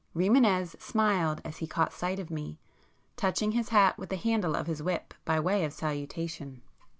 Rimânez smiled as he caught sight of me, touching his hat with the handle of his whip by way of salutation.